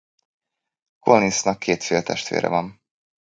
Collinsnak két féltestvére van.